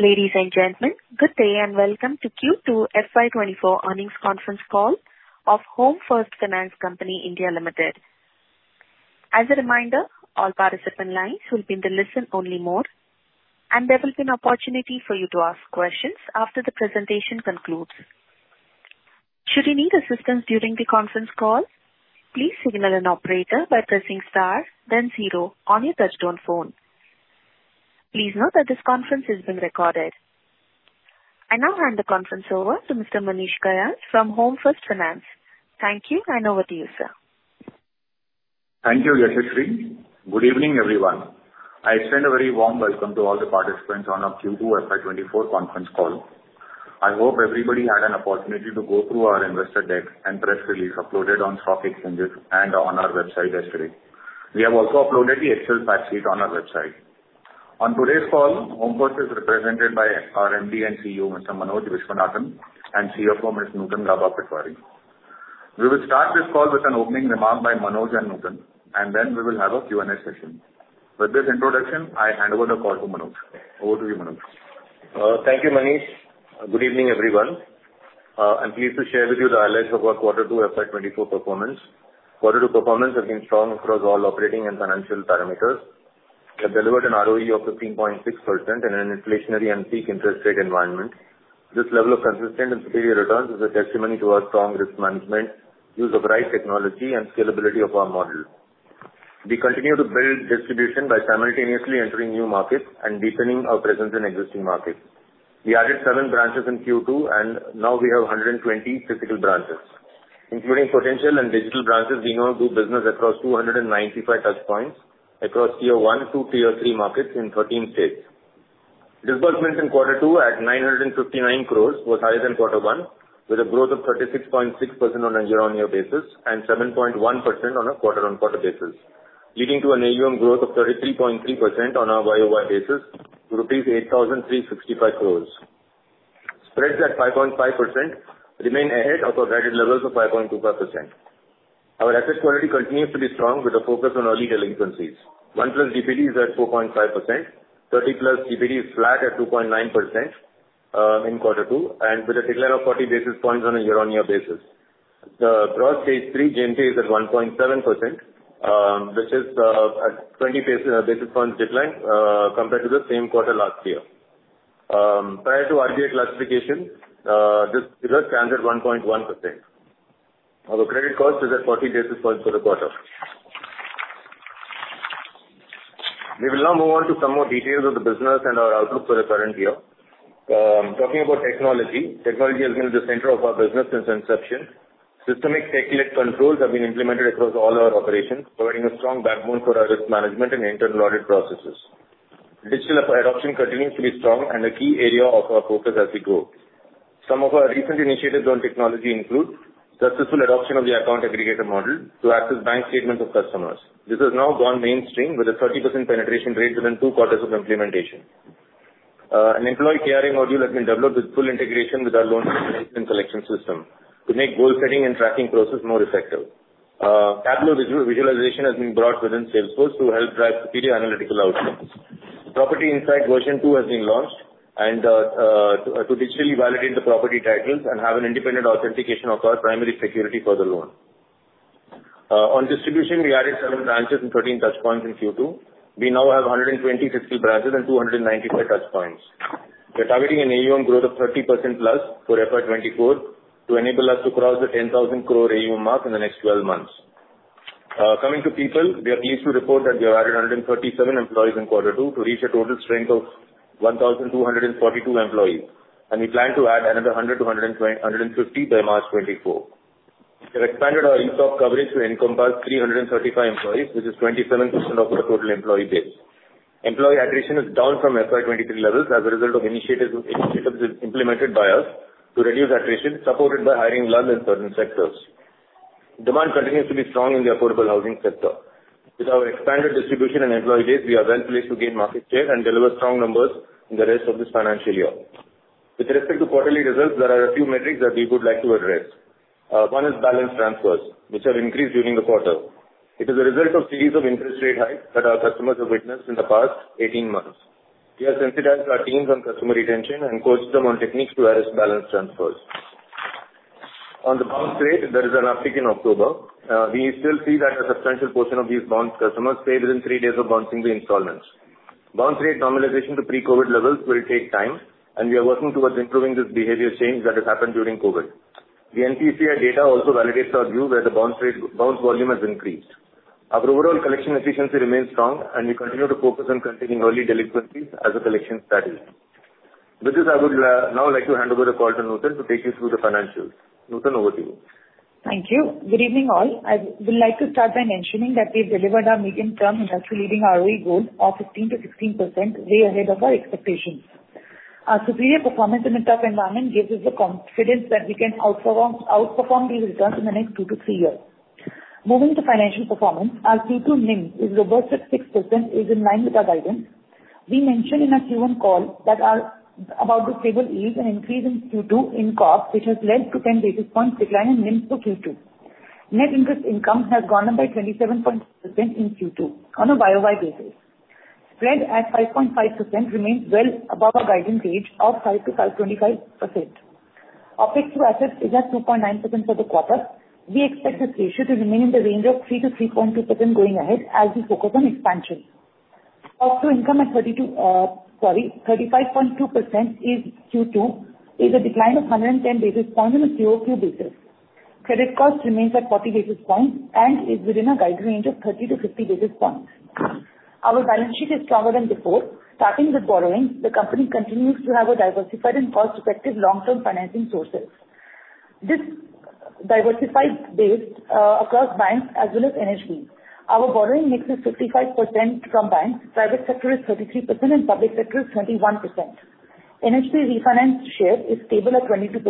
Ladies and gentlemen, good day, and welcome to Q2 FY 2024 earnings conference call of Home First Finance Company India Limited. As a reminder, all participant lines will be in the listen-only mode, and there will be an opportunity for you to ask questions after the presentation concludes. Should you need assistance during the conference call, please signal an operator by pressing star then zero on your touchtone phone. Please note that this conference is being recorded. I now hand the conference over to Mr. Manish Kayal from Home First Finance. Thank you, and over to you, sir. Thank you, Yashaswini. Good evening, everyone. I extend a very warm welcome to all the participants on our Q2 FY 2024 conference call. I hope everybody had an opportunity to go through our investor deck and press release uploaded on stock exchanges and on our website yesterday. We have also uploaded the Excel fact sheet on our website. On today's call, Home First is represented by our MD and CEO, Mr. Manoj Viswanathan, and CFO, Ms. Nutan Gaba Patwari. We will start this call with an opening remark by Manoj and Nutan, and then we will have a Q&A session. With this introduction, I hand over the call to Manoj. Over to you, Manoj. Thank you, Manish. Good evening, everyone. I'm pleased to share with you the highlights of our Q2 FY 2024 performance. Q2 performance has been strong across all operating and financial parameters. We have delivered an ROE of 15.6% in an inflationary and peak interest rate environment. This level of consistent and superior returns is a testimony to our strong risk management, use of right technology, and scalability of our model. We continue to build distribution by simultaneously entering new markets and deepening our presence in existing markets. We added seven branches in Q2, and now we have 120 physical branches. Including potential and digital branches, we now do business across 295 touchpoints, across Tier 1 to Tier 3 markets in 13 states. Disbursements in quarter two at 959 crore was higher than quarter one, with a growth of 36.6% on a year-over-year basis and 7.1% on a quarter-over-quarter basis, leading to an AUM growth of 33.3% on a YoY basis to rupees 8,365 crore. Spreads at 5.5% remain ahead of our guided levels of 5.25%. Our asset quality continues to be strong with a focus on early delinquencies. 1+ DPD is at 4.5%, 30+ DPD is flat at 2.9% in quarter two, with a decline of 40 basis points on a year-over-year basis. The gross Stage 3 GNPA is at 1.7%, which is at a 20 basis points decline compared to the same quarter last year. Prior to RBI classification, this stands at 1.1%. Our credit cost is at 40 basis points for the quarter. We will now move on to some more details of the business and our outlook for the current year. Talking about technology, technology has been at the center of our business since inception. Systemic tech-led controls have been implemented across all our operations, providing a strong backbone for our risk management and internal audit processes. Digital app adoption continues to be strong and a key area of our focus as we grow. Some of our recent initiatives on technology include successful adoption of the account aggregator model to access bank statements of customers. This has now gone mainstream with a 30% penetration rate within two quarters of implementation. An employee KRA module has been developed with full integration with our loan management collection system to make goal setting and tracking process more effective. Tableau visualization has been brought within Salesforce to help drive superior analytical outcomes. Property Insight Version 2.0 has been launched and to digitally validate the property titles and have an independent authentication of our primary security for the loan. On distribution, we added seven branches and 13 touchpoints in Q2. We now have 120 physical branches and 295 touchpoints. We're targeting an AUM growth of 30%+ for FY 2024, to enable us to cross the 10,000 crore AUM mark in the next twelve months. Coming to people, we are pleased to report that we have added 137 employees in quarter two, to reach a total strength of 1,242 employees, and we plan to add another 100-150 by March 2024. We've expanded our ESOP coverage to encompass 335 employees, which is 27% of our total employee base. Employee attrition is down from FY 2023 levels as a result of initiatives, initiatives implemented by us to reduce attrition, supported by hiring lulls in certain sectors. Demand continues to be strong in the affordable housing sector. With our expanded distribution and employee base, we are well placed to gain market share and deliver strong numbers in the rest of this financial year. With respect to quarterly results, there are a few metrics that we would like to address. One is balance transfers, which have increased during the quarter. It is a result of series of interest rate hikes that our customers have witnessed in the past 18 months. We have sensitized our teams on customer retention and coached them on techniques to address balance transfers. On the bounce rate, there is an uptick in October. We still see that a substantial portion of these bounced customers pay within three days of bouncing the installments. Bounce rate normalization to pre-COVID levels will take time, and we are working towards improving this behavior change that has happened during COVID. The NPCI data also validates our view that the bounce rate, bounce volume has increased. Our overall collection efficiency remains strong, and we continue to focus on containing early delinquencies as a collection strategy. With this, I would now like to hand over the call to Nutan to take you through the financials. Nutan, over to you. Thank you. Good evening, all. I would like to start by mentioning that we've delivered our medium-term industry-leading ROE goal of 15%-16%, way ahead of our expectations. Our superior performance in a tough environment gives us the confidence that we can outperform, outperform these returns in two to three years. moving to financial performance, our Q2 NIM is robust at 6%, is in line with our guidance. We mentioned in our Q1 call that our about the stable yield and increase in Q2 in CoB, which has led to 10 basis points decline in NIM for Q2. Net interest income has gone up by 27% in Q2 on a YoY basis. Spread at 5.5% remains well above our guiding range of 5%-5.5%. OpEx to assets is at 2.9% for the quarter. We expect this ratio to remain in the range of 3%-3.2% going ahead as we focus on expansion. Cost to income at 35.2% is Q2, is a decline of 110 basis points on a QoQ basis. Credit cost remains at 40 basis points and is within our guide range of 30-50 basis points. Our balance sheet is stronger than before. Starting with borrowing, the company continues to have a diversified and cost-effective long-term financing sources. This diversified base, across banks as well as NHB. Our borrowing mix is 55% from banks, private sector is 33%, and public sector is 21%. NHB refinance share is stable at 22%.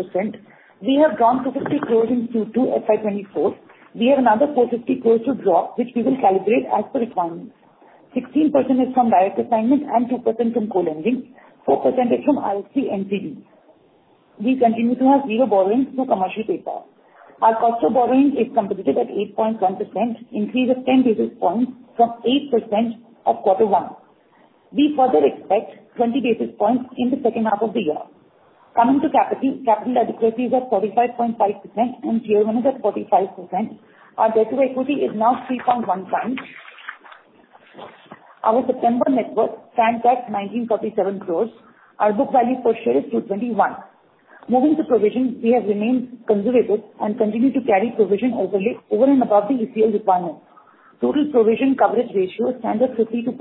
We have drawn 250 crore in Q2 FY 2024. We have another 450 crore to draw, which we will calibrate as per requirements. 16% is from direct assignments and 2% from co-lending. 4% is from IFC NCD. We continue to have zero borrowings through commercial paper. Our cost of borrowing is competitive at 8.1%, increase of 10 basis points from 8% of quarter one. We further expect 20 basis points in the second half of the year. Coming to capital, capital adequacy is at 45.5%, and Tier 1 is at 45%. Our debt to equity is now 3.1x. Our September net worth stands at 1,947 crore. Our book value per share is 221. Moving to provision, we have remained conservative and continue to carry provision over and above the ECL requirements. Total provision coverage ratio stands at 52.3%.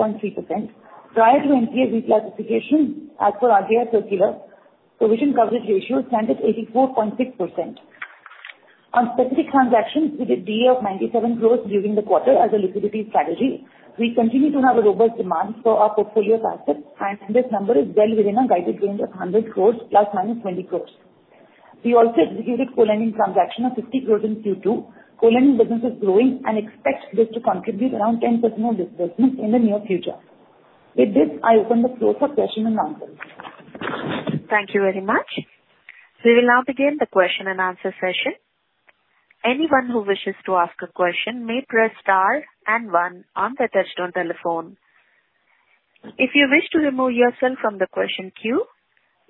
Prior to NPA reclassification, as per RBI circular, provision coverage ratio stands at 84.6%. On specific transactions, we did DA of 97 crore during the quarter as a liquidity strategy. We continue to have a robust demand for our portfolio of assets, and this number is well within our guided range of 100 crore, ±20 crore. We also executed co-lending transaction of 50 crore in Q2. Co-lending business is growing and expect this to contribute around 10% of disbursements in the near future. With this, I open the floor for question-and-answers. Thank you very much. We will now begin the question and answer session. Anyone who wishes to ask a question may press star and one on their touchtone telephone. If you wish to remove yourself from the question queue,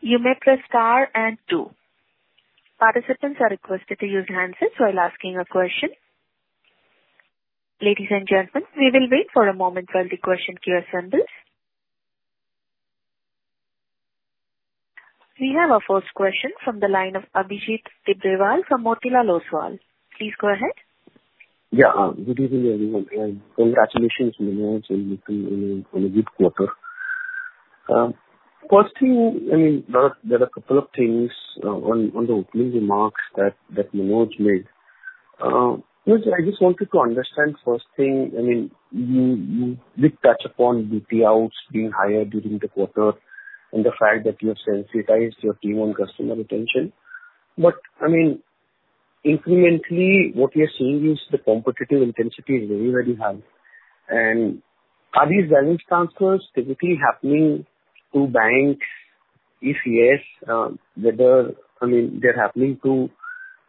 you may press star and two. Participants are requested to use handsets while asking a question. Ladies and gentlemen, we will wait for a moment while the question queue assembles. We have our first question from the line of Abhijit Tibrewal from Motilal Oswal. Please go ahead. Yeah, good evening, everyone, and congratulations, Manoj, on the good quarter. First thing, I mean, there are a couple of things on the opening remarks that Manoj made. First, I just wanted to understand first thing, I mean, you did touch upon BT outs being higher during the quarter and the fact that you have sensitized your team on customer retention. But I mean, incrementally, what we are seeing is the competitive intensity is very, very high. And are these balance transfers typically happening to banks? If yes, whether, I mean, they're happening to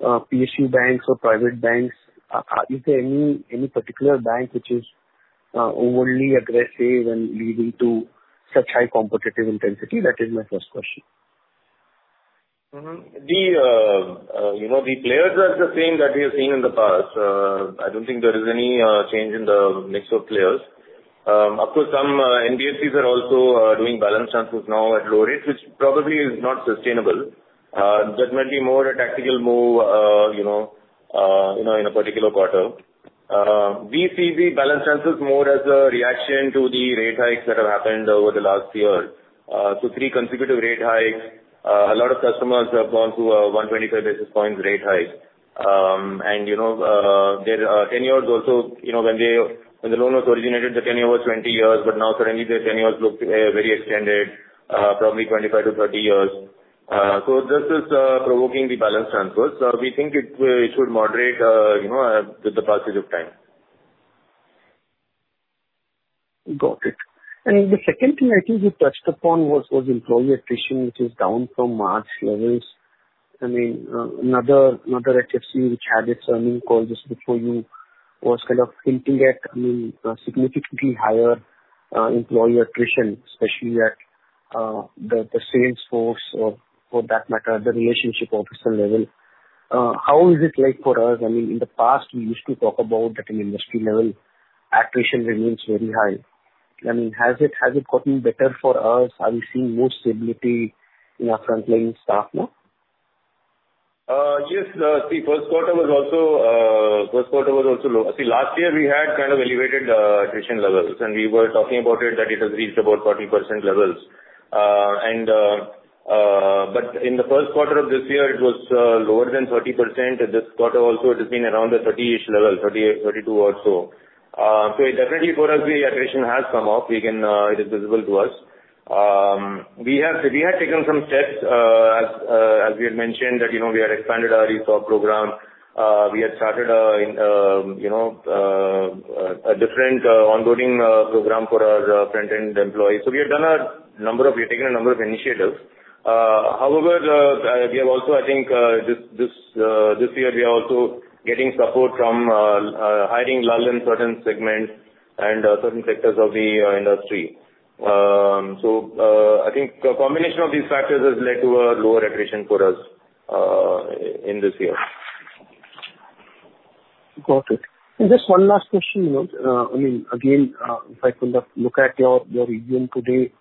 PSU banks or private banks. Is there any particular bank which is overly aggressive and leading to such high competitive intensity? That is my first question. Mm-hmm. The, you know, the players are the same that we have seen in the past. I don't think there is any change in the mix of players. Of course, some NBFCs are also doing balance transfers now at low rates, which probably is not sustainable. That might be more a tactical move, you know, you know, in a particular quarter. We see the balance transfers more as a reaction to the rate hikes that have happened over the last year. So three consecutive rate hikes, a lot of customers have gone through a 125 basis points rate hike. You know, their tenures also, you know, when the loan was originated, the tenure was 20 years, but now suddenly their tenures look very extended, probably 25-30 years. So this is provoking the balance transfers. We think it should moderate, you know, with the passage of time. Got it. And the second thing I think you touched upon was, was employee attrition, which is down from March levels. I mean, another, another HFC which had its earning call just before you, was kind of hinting at, I mean, a significantly higher, employee attrition, especially at, the, the sales force or for that matter, the relationship officer level. How is it like for us? I mean, in the past, we used to talk about that in industry level, attrition remains very high. I mean, has it, has it gotten better for us? Are we seeing more stability in our frontline staff now? Yes, the first quarter was also low. See, last year we had kind of elevated attrition levels, and we were talking about it, that it has reached about 40% levels. And, but in the first quarter of this year, it was lower than 30%. This quarter also, it has been around the 30-ish level, 32-odd so. So definitely for us, the attrition has come up. We can, it is visible to us. We have, we have taken some steps, as, as we had mentioned, that, you know, we had expanded our resource program. We had started, in, you know, a different onboarding program for our front-end employees. So we have done a number of-- we've taken a number of initiatives. However, we have also, I think, this year, we are also getting support from hiring lull in certain segments and certain sectors of the industry. So, I think a combination of these factors has led to a lower attrition for us in this year. Got it. Just one last question, you know. I mean, again, if I kind of look at your, your AUM today,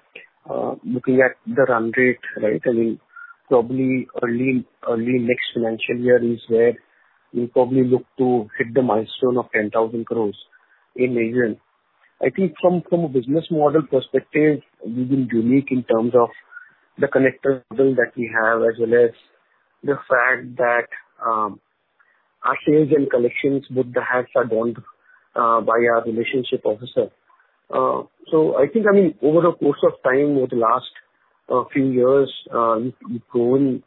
looking at the run rate, right? I mean, probably early, early next financial year is where you'll probably look to hit the milestone of 10,000 crores in AUM. I think from, from a business model perspective, we've been unique in terms of the connector model that we have, as well as the fact that, our sales and collections, both the hats are worn, by our relationship officer. So I think, I mean, over the course of time, over the last, few years, we've, we've grown,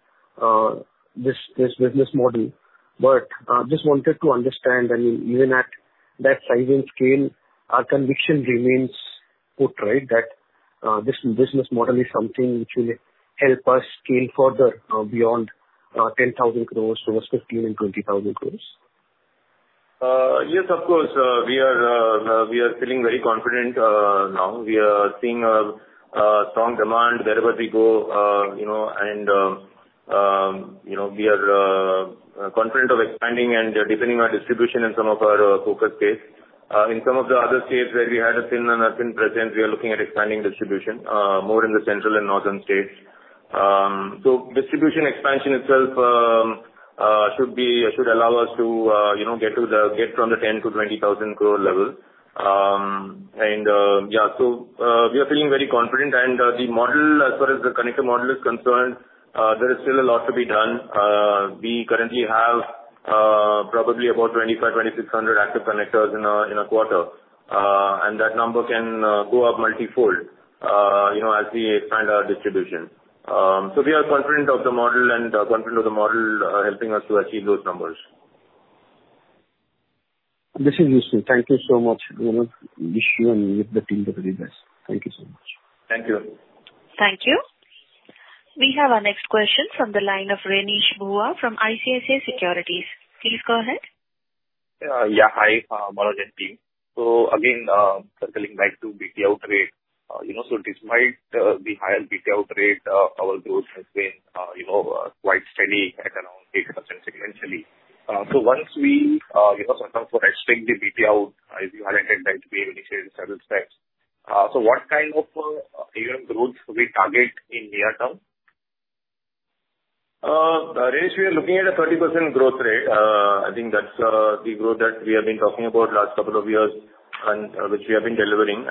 this, this business model. Just wanted to understand, I mean, even at that size and scale, our conviction remains put, right? That this business model is something which will help us scale further, beyond 10,000 crore towards 15,000 crore and 20,000 crore. Yes, of course. We are feeling very confident now. We are seeing a strong demand wherever we go, you know, and, you know, we are confident of expanding and deepening our distribution in some of our focus states. In some of the other states where we had a thin presence, we are looking at expanding distribution more in the central and northern states. So distribution expansion itself should allow us to, you know, get from the 10,000 crores to 20,000 crores level. And, yeah, so, we are feeling very confident. And the model, as far as the connector model is concerned, there is still a lot to be done. We currently have probably about 2,500-2,600 active connectors in a quarter. And that number can go up multi-fold, you know, as we expand our distribution. So we are confident of the model and confident of the model helping us to achieve those numbers. This is useful. Thank you so much, Manoj. Wish you and the team the very best. Thank you so much. Thank you. Thank you. We have our next question from the line of Renish Bhuva from ICICI Securities. Please go ahead. Yeah. Hi, Manoj and team. So again, circling back to BT out rate, you know, so despite the higher BT out rate, our growth has been, you know, quite steady at around 8% sequentially. So once we, you know, sort of restrict the BT out, if you highlight that we initiated several steps, so what kind of AUM growth do we target in near term? Renish, we are looking at a 30% growth rate. I think that's the growth that we have been talking about last couple of years and which we have been delivering.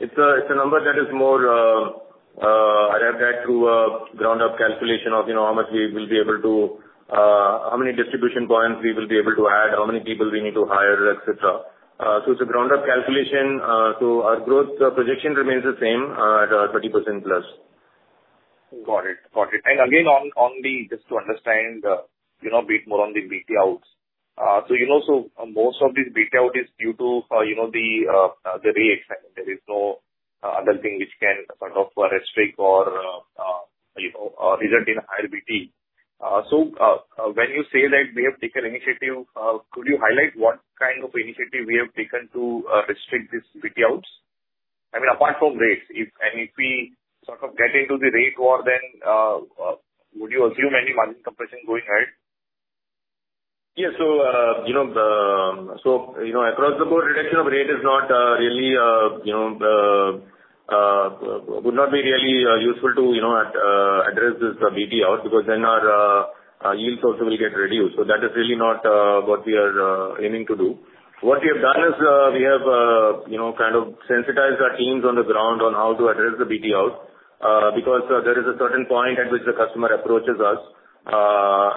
It's a number that is more arrived at through a ground up calculation of, you know, how much we will be able to... how many distribution points we will be able to add, how many people we need to hire, et cetera. So it's a ground up calculation, so our growth projection remains the same at our 30%+. Got it. Got it. And again, on the... Just to understand, you know, bit more on the BT outs. So, you know, so most of these BT out is due to, you know, the rate excitement. There is no other thing which can sort of restrict or, you know, result in a higher BT. So, when you say that we have taken initiative, could you highlight what kind of initiative we have taken to restrict this BT outs? I mean, apart from rates, if and if we sort of get into the rate war, then would you assume any margin compression going ahead? Yeah. So, you know, across the board, reduction of rate is not really, you know, would not be really useful to, you know, address this BT outs, because then our yields also will get reduced. So that is really not what we are aiming to do. What we have done is, we have, you know, kind of sensitized our teams on the ground on how to address the BT outs. Because there is a certain point at which the customer approaches us,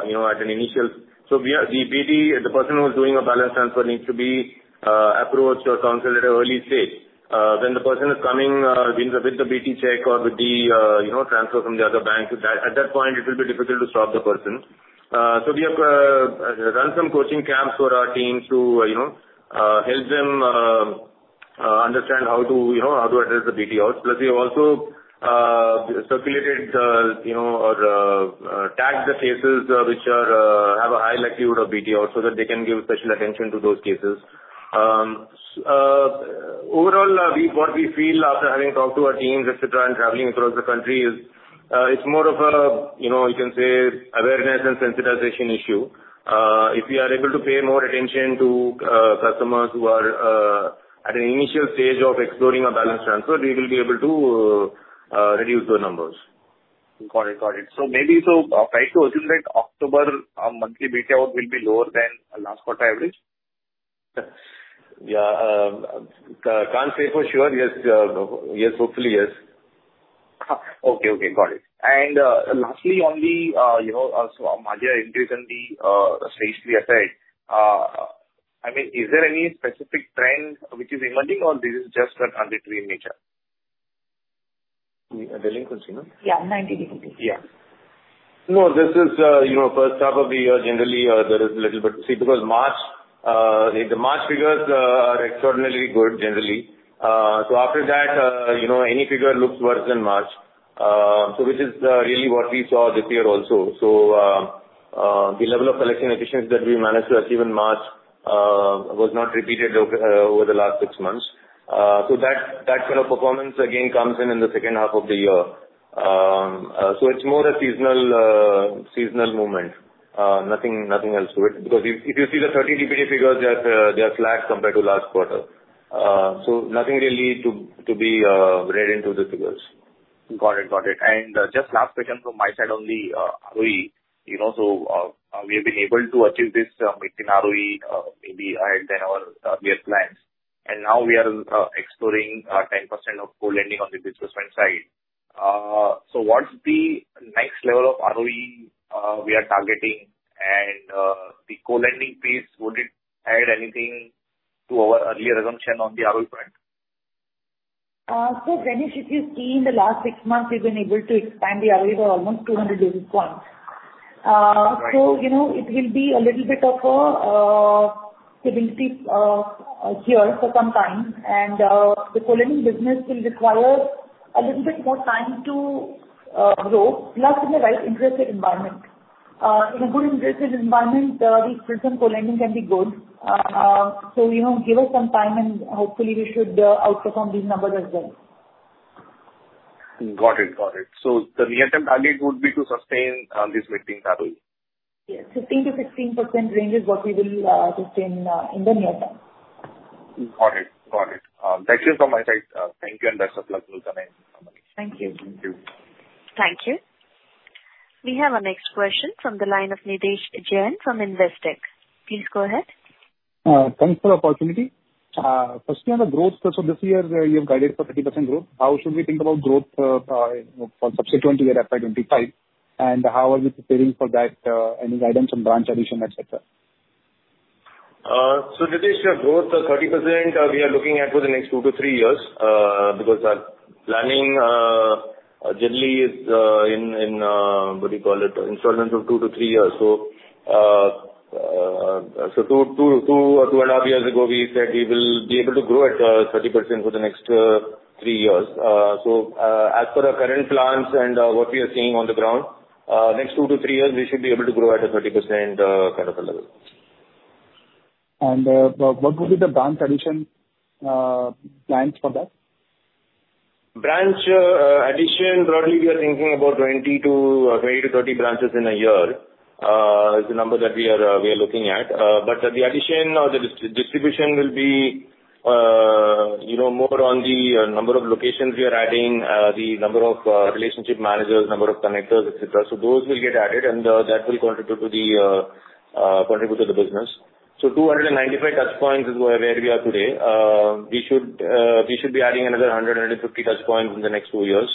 you know, at an initial— So we are, the BT, the person who is doing a balance transfer needs to be approached or counseled at an early stage. When the person is coming with the BT check or with the you know transfer from the other bank, so that at that point it will be difficult to stop the person. So we have run some coaching camps for our team to you know help them understand how to you know how to address the BT outs. Plus, we have also circulated you know or tagged the cases which have a high likelihood of BT outs, so that they can give special attention to those cases. Overall, what we feel after having talked to our teams, et cetera, and traveling across the country is it's more of a you know you can say awareness and sensitization issue. If we are able to pay more attention to customers who are at an initial stage of exploring a balance transfer, we will be able to reduce those numbers. Got it. Got it. So maybe so try to assume that October monthly BT out will be lower than last quarter average? Yeah, can't say for sure. Yes, yes, hopefully, yes. Okay. Okay, got it. And lastly, only, you know, so my interest in the Stage 3 we have had, I mean, is there any specific trend which is impacting or this is just an arbitrary nature? The delinquency, no? Yeah, 90 DPD. Yeah. No, this is, you know, first half of the year. Generally, there is little, but see, because March, the March figures, are extraordinarily good generally. So after that, you know, any figure looks worse than March. So which is, really what we saw this year also. So, the level of collection efficiency that we managed to achieve in March, was not repeated over, over the last six months. So that, that kind of performance again comes in, in the second half of the year. So it's more a seasonal, seasonal movement, nothing, nothing else to it. Because if, if you see the 30 DPD figures, they are, they are flat compared to last quarter. So nothing really to, to be, read into the figures. Got it. Got it. And, just last question from my side only, ROE, you know, so, we have been able to achieve this, mid-tier ROE, maybe higher than our year plans. And now we are exploring 10% of co-lending on the business front side. So what's the next level of ROE we are targeting? And, the co-lending piece, would it add anything to our earlier assumption on the ROE front? Dinesh, if you see in the last six months, we've been able to expand the ROE by almost 200 basis points. Right. So, you know, it will be a little bit of a stability here for some time. And the co-lending business will require a little bit more time to grow, plus in the right interest rate environment. In a good interest rate environment, this present co-lending can be good. So, you know, give us some time, and hopefully we should outperform these numbers as well. Got it. Got it. So the near-term target would be to sustain this mid-tier ROE? Yes. 15%-16% range is what we will sustain in the near term. Got it. Got it. That's it from my side. Thank you, and best of luck with the next quarter. Thank you. Thank you. Thank you. We have our next question from the line of Nidhesh Jain from Investec. Please go ahead. Thanks for the opportunity. Firstly, on the growth for this year, you have guided for 30% growth. How should we think about growth for subsequent to year FY 2025? And how are you preparing for that, any guidance on branch addition, et cetera? So, Nidhesh, our growth of 30%, we are looking at two to three years, because our planning generally is in what do you call two to three years. so, 2.5 years ago, we said we will be able to grow at 30% for the next three years. So, as per our current plans and what we are seeing on two to three years, we should be able to grow at a 30% kind of a level. What would be the branch addition plans for that? Branch addition, broadly, we are thinking about 20-30 branches in a year, is the number that we are looking at. But the addition or the distribution will be, you know, more on the number of locations we are adding, the number of relationship managers, number of connectors, et cetera. So those will get added, and that will contribute to the business. So 295 touchpoints is where we are today. We should be adding another 150 touchpoints in the next two years,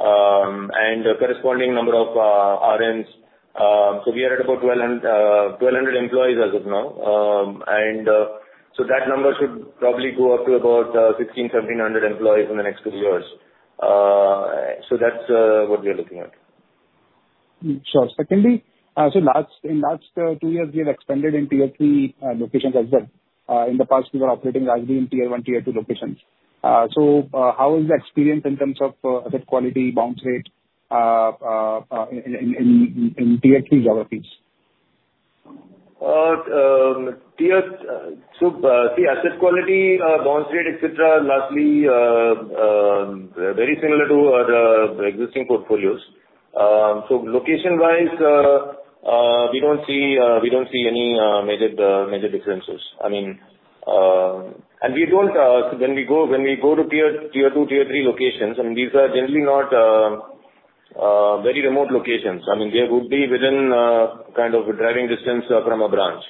and corresponding number of RMs. So we are at about 1,200 employees as of now. And so that number should probably go up to about 1,500-1,700 employees in the next two years. So that's what we are looking at. Sure. Secondly, so in the last two years, we have expanded into Tier 3 locations as well. In the past, we were operating largely in Tier 1, Tier 2 locations. So, how is the experience in terms of asset quality, bounce rate, in tier three geographies? The asset quality, bounce rate, et cetera, lastly, very similar to the existing portfolios. So location-wise, we don't see, we don't see any major, major differences. I mean, and we don't. When we go, when we go to Tier 2, Tier 3 locations, and these are generally not very remote locations. I mean, they would be within kind of a driving distance from a branch.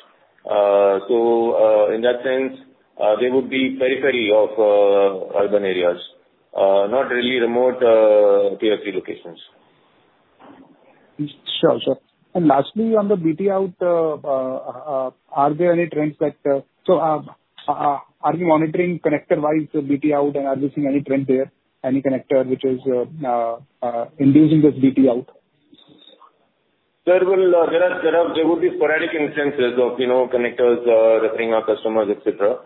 So, in that sense, they would be periphery of urban areas, not really remote Tier 3 locations. Sure. Sure. And lastly, on the BT out, are there any trends that... So, are you monitoring connector-wise, the BT out, and are you seeing any trend there, any connector which is inducing this BT out? There would be sporadic instances of, you know, connectors referring our customers, et cetera.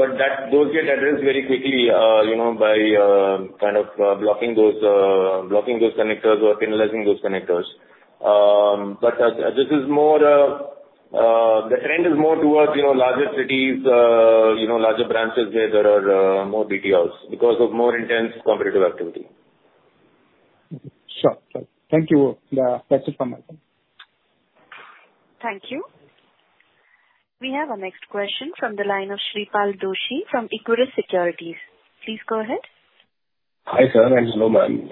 But those get addressed very quickly, you know, by kind of blocking those connectors or penalizing those connectors. But the trend is more towards, you know, larger cities, you know, larger branches, where there are more BT outs because of more intense competitive activity. Okay. Sure, sure. Thank you. That's it from my side. Thank you. We have our next question from the line of Shreepal Doshi from Equirus Securities. Please go ahead. Hi, sir, and hello, ma'am.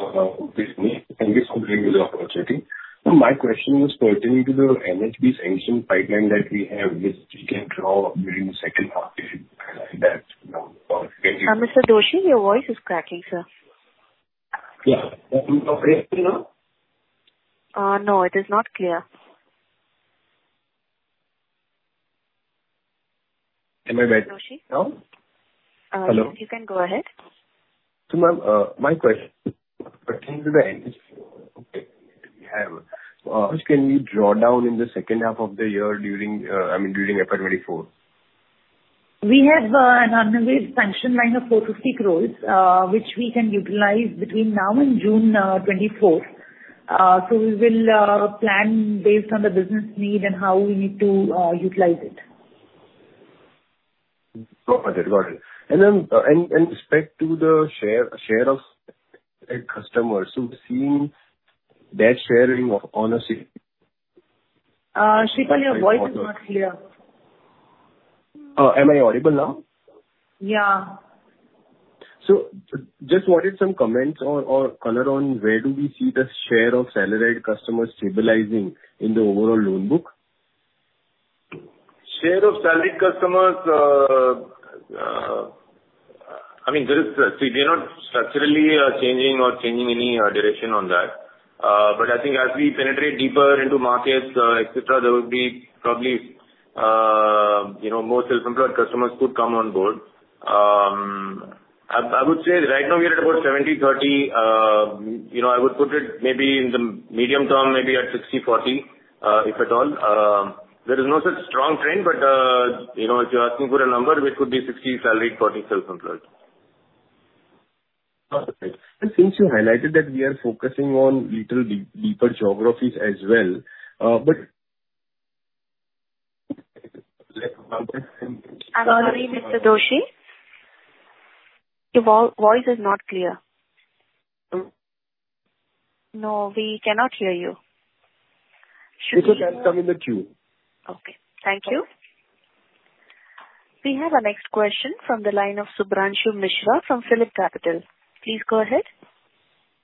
Good evening, and thanks for giving me the opportunity. So my question is pertaining to the NHB's undrawn pipeline that we have, which we can draw during the second half, if that's possible. Mr. Doshi, your voice is cracking, sir. Yeah. Okay, now? No, it is not clear. Am I back now? Uh, Hello. You can go ahead. So, ma'am, my question pertaining to the end. Okay, we have, which can we draw down in the second half of the year during, I mean, during April 2024? We have an unreleased sanction line of 4 crore-6 crore, which we can utilize between now and June 2024. We will plan based on the business need and how we need to utilize it. Got it. Got it. And then, with respect to the share of end customers, so we've seen that sharing of honestly- Shreepal, your voice is not clear. Am I audible now? Yeah. Just wanted some comments or, or color on where do we see the share of salaried customers stabilizing in the overall loan book? Share of salaried customers, I mean, there is, we are not structurally changing any direction on that. But I think as we penetrate deeper into markets, et cetera, there would be probably, you know, more self-employed customers could come on board. I would say right now we are at about 70/30. You know, I would put it maybe in the medium term, maybe at 60/40, if at all. There is no such strong trend, but, you know, if you're asking for a number, it could be 60 salaried, 40 self-employed. Got it. And since you highlighted that we are focusing on little deeper geographies as well, but I'm sorry, Mr. Doshi, your voice is not clear. No, we cannot hear you. Please come in the queue. Okay, thank you. We have our next question from the line of Subhranshu Mishra from PhillipCapital. Please go ahead.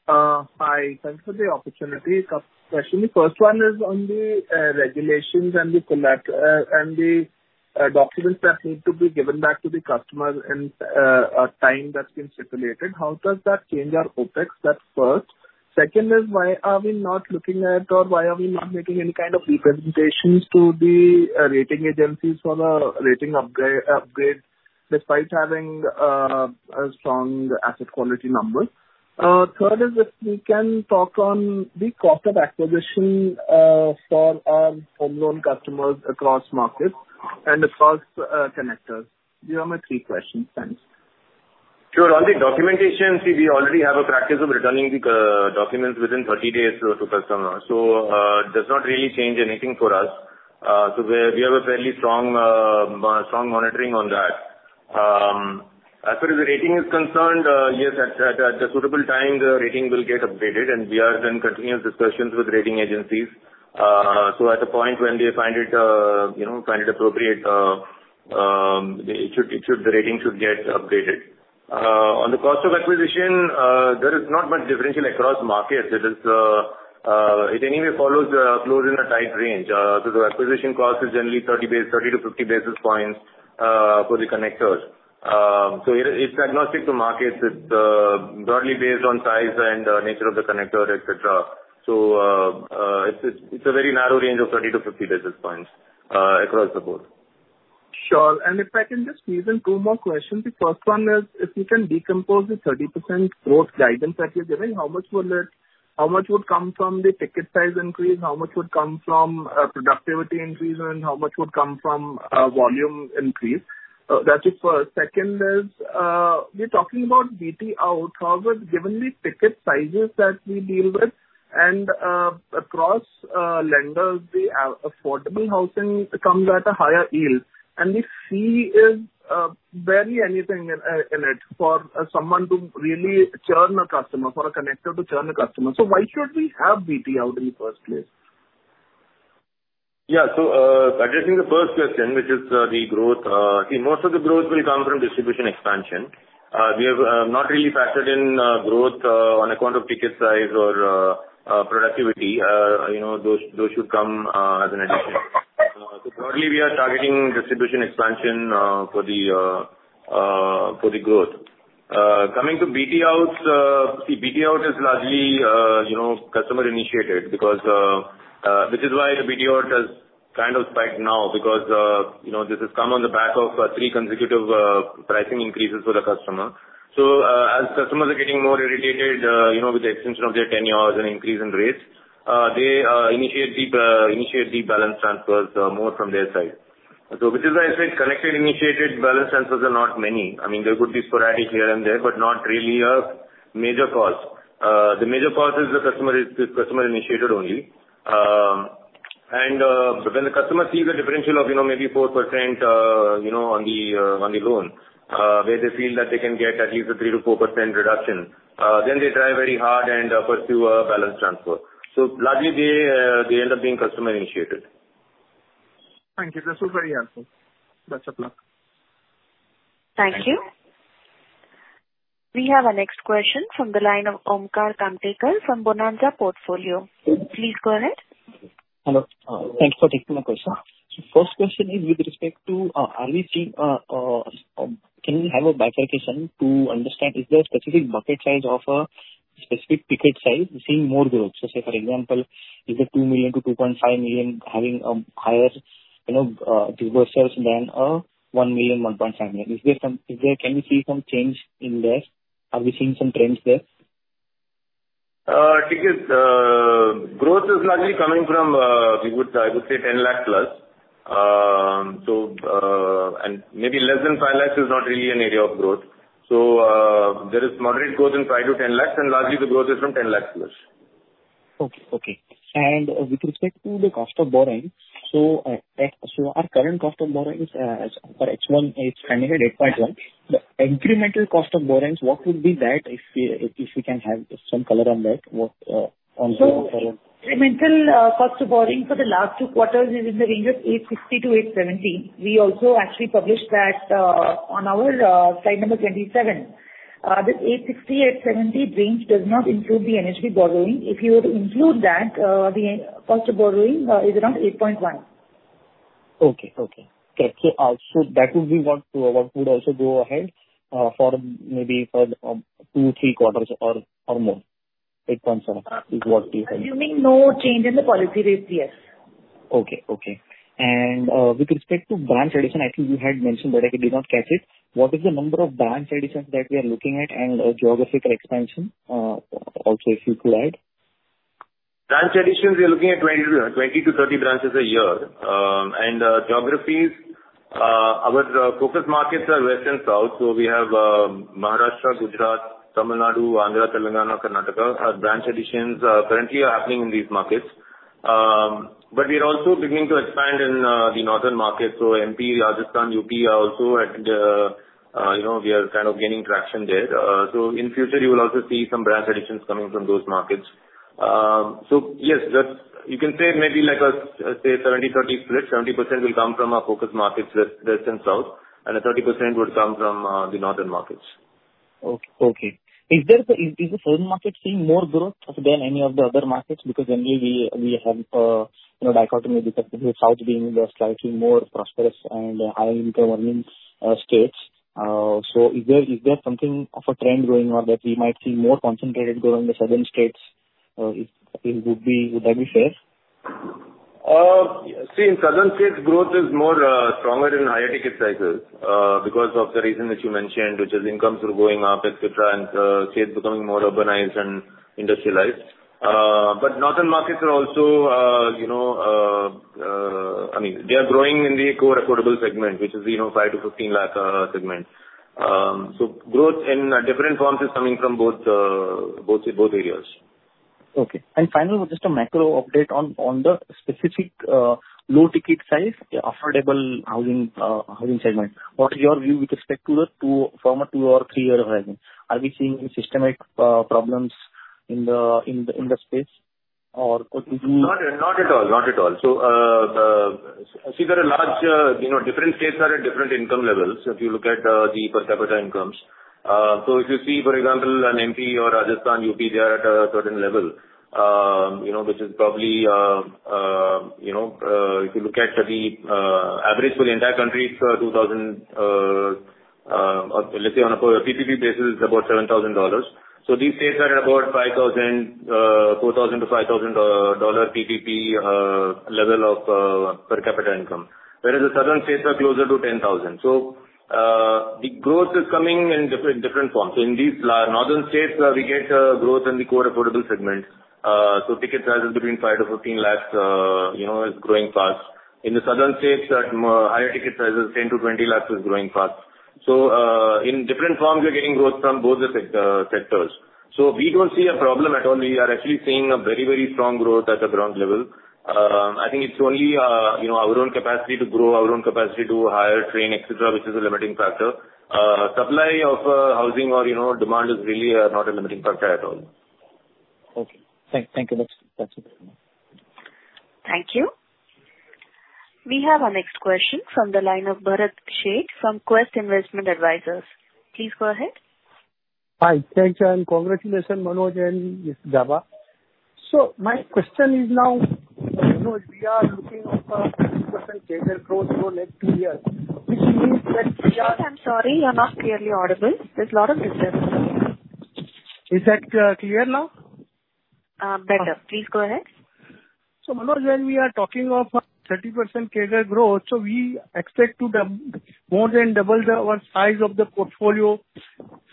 Hi, thanks for the opportunity. A couple questions: the first one is on the regulations and the collect, and the documents that need to be given back to the customer and a time that's been stipulated. How does that change our OpEx? That's first. Second is: why are we not looking at, or why are we not making any kind of representations to the rating agencies for the rating upgrade, despite having a strong asset quality numbers? Third is, if you can talk on the cost of acquisition for our home loan customers across markets and across connectors. These are my three questions. Thanks. Sure. On the documentation, see, we already have a practice of returning the documents within 30 days to customers. So, does not really change anything for us. So we have a fairly strong strong monitoring on that. As far as the rating is concerned, yes, at the suitable time, the rating will get updated, and we are in continuous discussions with rating agencies. So at the point when they find it, you know, find it appropriate, it should, it should, the rating should get updated. On the cost of acquisition, there is not much differential across markets. It is, it anyway follows close in a tight range. So the acquisition cost is generally 30 base, 30-50 basis points for the connectors. So it's agnostic to markets. It's broadly based on size and nature of the connector, et cetera. So it's a very narrow range of 30-50 basis points across the board. Sure. And if I can just squeeze in two more questions. The first one is, if you can decompose the 30% growth guidance that you're giving, how much will it... How much would come from the ticket size increase, how much would come from productivity increase, and how much would come from volume increase? That's the first. Second is, we're talking about BT out. However, given the ticket sizes that we deal with and across lenders, the affordable housing comes at a higher yield, and the fee is barely anything in it for someone to really churn a customer, for a connector to churn a customer. So why should we have BT out in the first place? Yeah. So, addressing the first question, which is the growth, see, most of the growth will come from distribution expansion. We have not really factored in growth on account of ticket size or productivity. You know, those should come as an addition. So currently we are targeting distribution expansion for the growth. Coming to BT out, see, BT out is largely, you know, customer-initiated because which is why the BT out has kind of spiked now, because, you know, this has come on the back of three consecutive pricing increases for the customer. As customers are getting more irritated, you know, with the extension of their tenures and increase in rates, they initiate the balance transfers more from their side. So which is why I said customer-initiated balance transfers are not many. I mean, there could be sporadic here and there, but not really a major cause. The major cause is customer-initiated only. But when the customer sees a differential of, you know, maybe 4%, you know, on the loan, where they feel that they can get at least a 3%-4% reduction, then they try very hard and pursue a balance transfer. So largely they end up being customer-initiated. Thank you. This was very helpful. Best of luck. Thank you. We have our next question from the line of Omkar Kamtekar from Bonanza Portfolio. Please go ahead. Hello, thanks for taking my question. First question is with respect to, are we seeing, can we have a bifurcation to understand is there a specific bucket size of a specific ticket size seeing more growth? For example, is it 2 million-2.5 million having higher, you know, diverse sales than 1 million-1.5 million? Is there some-- Is there... Can you see some change in there? Are we seeing some trends there? Ticket growth is largely coming from, I would say, 10 lakh+. Maybe less than 5 lakh is not really an area of growth. There is moderate growth in 5 lakh to 10 lakh, and largely the growth is from 10 lakh+. Okay, okay. With respect to the cost of borrowing, so, so our current cost of borrowing is, as per H1, 10.81. The incremental cost of borrowings, what would be that if we, if, if we can have some color on that, what, on- Incremental cost of borrowing for the last two quarters is in the range of 8.60%-8.70%. We also actually published that on our slide number 27. This 8.60%-8.70% range does not include the NHB borrowing. If you were to include that, the cost of borrowing is around 8.1%. Okay, okay. Okay, so, so that would be what, what would also go ahead, for maybe for, two, three quarters or more? 8.7 is what we have. Assuming no change in the policy rates, yes. Okay, okay. With respect to branch addition, I think you had mentioned, but I did not catch it. What is the number of branch additions that we are looking at and geographical expansion, also, if you could add? Branch additions, we are looking at 20-30 branches a year. Geographies, our focus markets are West and South. We have Maharashtra, Gujarat, Tamil Nadu, Andhra, Telangana, Karnataka. Our branch additions are currently happening in these markets. We are also beginning to expand in the northern market. MP, Rajasthan, UP also, and you know, we are kind of gaining traction there. In future, you will also see some branch additions coming from those markets. Yes, that you can say maybe like a, say, 70/30 split, 70% will come from our focus markets, West and South, and 30% would come from the northern markets. Okay. Is the southern market seeing more growth than any of the other markets? Because generally we, we have, you know, dichotomy with the South being the slightly more prosperous and higher income earning states. So is there, is there something of a trend going on that we might see more concentrated growth in the southern states, is, I think, would be, would that be fair? See, in southern states, growth is more, stronger in higher ticket sizes, because of the reason that you mentioned, which is incomes are going up, et cetera, and states becoming more urbanized and industrialized. Northern markets are also, you know, I mean, they are growing in the core affordable segment, which is, you know, 5 lakh-15 lakh segment. Growth in different forms is coming from both, both areas. Okay. And finally, just a macro update on the specific low ticket size, affordable housing housing segment. What is your view with respect to the two, from a two or three-year horizon? Are we seeing systemic problems in the space or- Not at, not at all. Not at all. See, there are large, you know, different states are at different income levels, if you look at the per capita incomes. If you see, for example, an MP or Rajasthan, UP, they are at a certain level, you know, which is probably, you know, if you look at the average for the entire country, it's 2,000, let's say on a PPP basis, it's about $7,000. These states are at about $4,000-$5,000 PPP level of per capita income, whereas the southern states are closer to $10,000. The growth is coming in different, different forms. In these large northern states, we get growth in the core affordable segments. So ticket sizes between 5 lakhs-15 lakhs, you know, is growing fast. In the southern states, that more higher ticket sizes, 10 lakh- 20 lakhs, is growing fast. So, in different forms, we're getting growth from both the sectors. So we don't see a problem at all. We are actually seeing a very, very strong growth at the ground level. I think it's only, you know, our own capacity to grow, our own capacity to hire, train, et cetera, which is a limiting factor. Supply of housing or, you know, demand is really not a limiting factor at all. Okay. Thank you. That's it. Thank you. We have our next question from the line of Bharat Sheth from Quest Investment Advisors. Please go ahead. Hi. Thanks, and congratulations, Manoj and Nutan. So my question is now, Manoj, we are looking at a percent CAGR growth for next two years, which means that we are- I'm sorry, you're not clearly audible. There's a lot of interference. Is that clear now? Better. Please go ahead. So, Manoj, when we are talking of a 30% CAGR growth, so we expect to double, more than double the, our size of the portfolio,